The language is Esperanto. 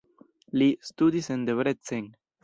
Li studis en Debrecen.